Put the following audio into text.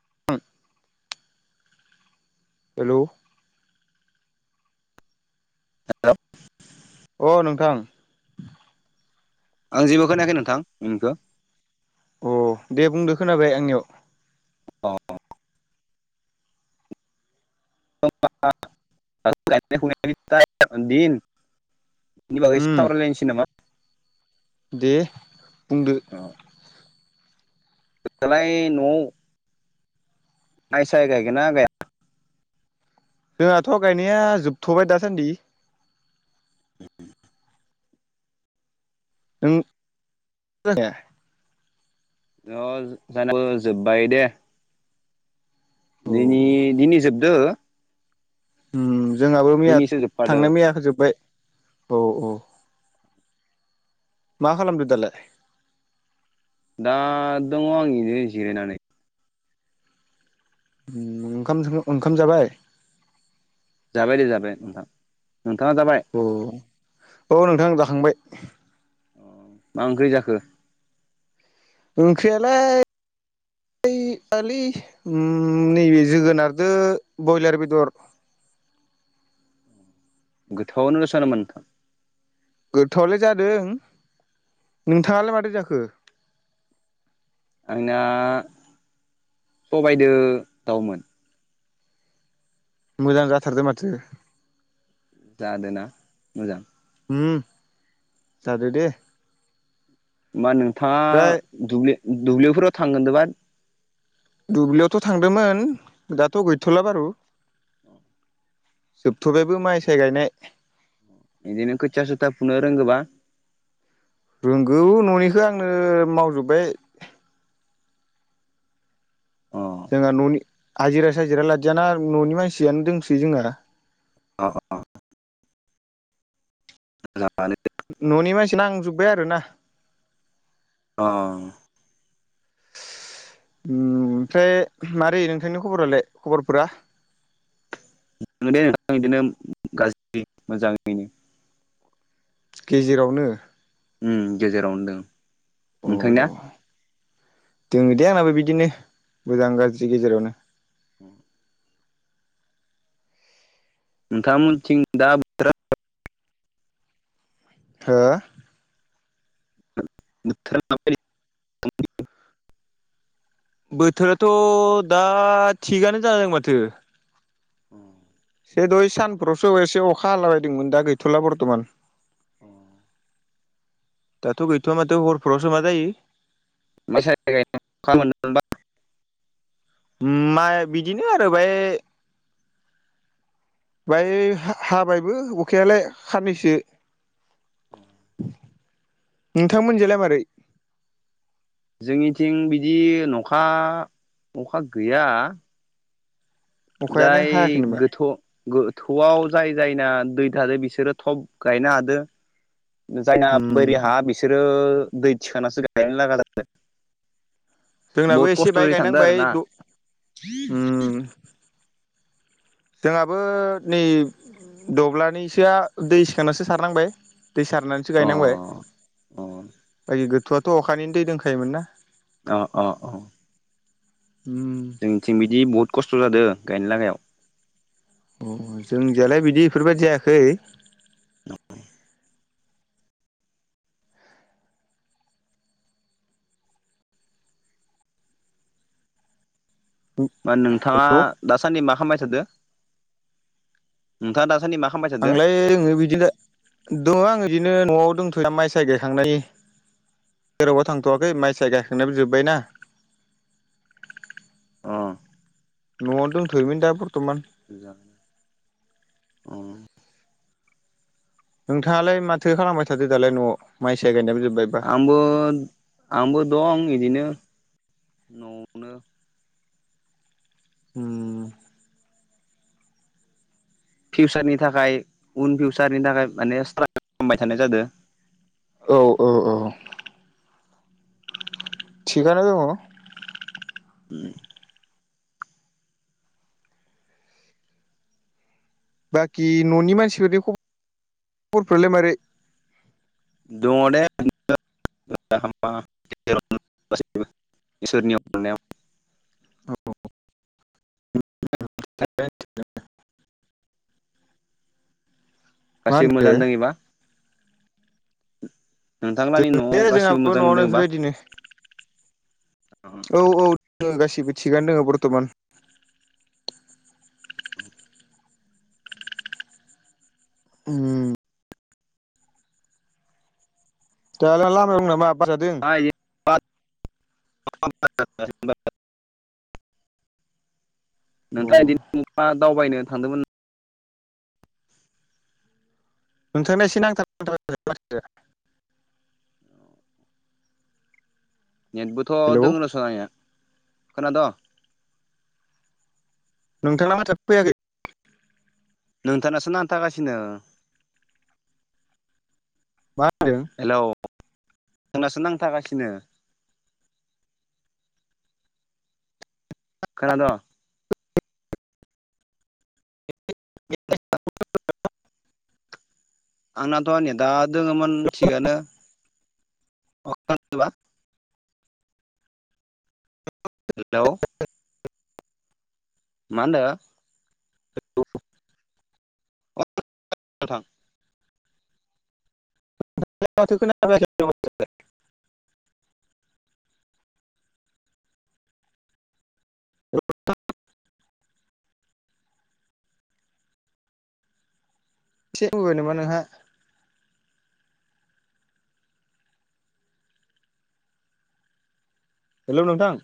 [unintelligible] hello hello अ नोंथां आं जेबो खोनायाखै नोंथां नोंनिखौ अ दे बुंदो खोनाबाय आंनियाव अ [unintelligible] दिन नि बागै इसि उम सावरायलायनोसै नामा दे बुंदो दालाय न'आव माय साय गायगोन ना गाया जोंहाथ' गायनाया जोबथ'बाय दासान्दि नों [unintelligible] अ जोनाबो जोब्बाय दे औ दिनि दिनि जोबदो जोंहाबो मैया दिनैसो जोबखादो थांनाय मैयाखौ जोब्बाय औ औ मा खालामदों दालाय दा दङ आं इरैनो जिरायनानै ओ ओंखाम जाबाय जाबाय दे जाबाय नोंथां नोंथाङा जाबाय औ औ नोंथां जाखांबाय मा ओंख्रि जाखो ओंख्रियालाय इ आलै नैबे जोगोनारजों बयलार बेदर गोथावआनो सानोमोन नोंथां गोथावआलाय जादों नोंथाङालाय मादो जाखो आंना सबायदो दाउमोन मोजां जाथारदों माथो जादों ना मोजां ओ जादो दे होमबा नोंथाङा ओमफ्राय दुब्लि दुब्लिफोराव थांगोन द बा दुब्लियावथ' थांदोंमोन दाथ' गैथ'ला बारु जोबथ'बायबो माइ साय गायनाय बिदिनो खोथिया सुथा फुनो रोंगोबा रोंगौ न'निखौ आंनो मावजोब्बाय अ जोंहा न'नि हाजिरा साजिरा लादियाना न'नि मानसियानो दंसै जों आरो अ मोजांङानो दे न'नि मानसि नांजोब्बाय आरो ना अ ओमफ्राय मारै नोंथांनि खबरालाय खबरफोरा दङ दे नोंथां बिदिनो गाज्रि मोजाङैनो गेजेरावनो ओ गेजेरावनो दों अ अ नोंथांनिया दङ दे आंनाबो बिदिनो मोजां गाज्रि गेजेरावनो [inaudible] नोंथां मोनथिं दा हो बोथोरा माबायदि बोथोराथ' दा थिगानो जादों माथो औ ए दहाय सानफ्रावसो एसे अखा हाला बायदोंमोन दा गैथ'ला बरथ'मान अ दाथ' गैथ'आ माथो हरफोरावसो मा जायो [unintelligible] मा बिदिनो आरो बे बाङाइ हाबायबो अखायालाय साननैसो नोंथांमोनजोंलाय मारै जोंनिथिं बिदि अखा अखा गैया अखायानो जाय हायाखै नामा गोथौ गोथौआव जाय जायना दै थादो बिसोरो थब गायनो हादों जायना बोरि हा बिसोरो दै थिखांनासो गायनो लागा जा जोंनाबो बहुद एसे बाय खस्थ'यै थानदों गायनांबाय आरो ना जोंहाबो नै दब्लायनैसोआ दै सिखांनासो सारनांबाय दै सारनानैसो गायनांबाय अ अ बाखि गोथौआवथ' अखानिनो दै दंखायोमोन ना अ अ अ उम जोंथिं बिदि बहुत खस्थ' जादों गायनो लागायाव अ जोंनियालाय बिदि इफोरबायदि जायाखै [unintelligible] मा नोंथाङा दासान्दि मा खालामबायथादो नोंथाङा दासान्दि मा खालामबाय थादो आंलाय दोङो बिदिनो दङ आं बिदिनो न'आव दंथ'यो माइ साइ गायखांनायनि जेरावबो थांथ'वाखै माइ साय गाखांनायाबो जोबबायना ओ न'आवनो दंथ'योमोन दा बर्थ'मान अ नोंथाङालाय माथो खालामबाय थादो दालाय न'आव माइ साय गायनायाबो जोब्बाय आंबो आंबो दं बिदिनो न'आवनो ओ फिउचारनि थाखाय उन फिउचारनि थाखाय माने स्ट्रागोल खालामबाय थानाय जादों औ औ औ थिगानो दङ [inaudible] बाखि न'नि मानसिफोरनि खबरफ्रालाय मारै दङ दे [unintelligible] इसोरनियाव औ [unintelligible] मा गासैबो होनदो मोजांयैनो दङबा नोंथांलानि न'आव दङलै गासिबो जोंहाबो मोजां न'आवनो बेफोरबायदिनो उम औ औ दङ गासिबो थिगानो दङ बर्थ'मान उम दायालाय लामायावं नामा बार जादो [unintelligible] अ नोंथाङा बिदिनो बहाबा दावबायनो थांदोंमोन [unintelligible] नेटबोथ' हेलौ दों र'स आंना खोनादों नोंथाना माथोआनो फैयाखै नोंथांनासो नांथागासिनो मा होनदों हेलौ नोंनासो नांथागासिनो खोनादों आंनाथ' नेदा दोङोमोन थिगानो अ खोनादोंबा हेलौ मा होनदो अ नोंथां [unintelligible] [unintelligible] नामा नोंहा हेलौ नोंथां